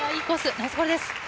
ナイスボールです。